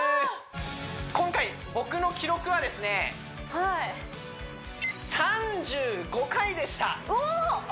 今回僕の記録はですね・３５回？